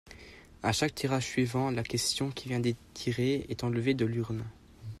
À chaque tirage suivant, la question qui vient d'être tirée est enlevée de l'urne.